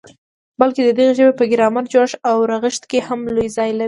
بلکي د دغي ژبي په ګرامري جوړښت او رغښت کي هم لوی ځای لري.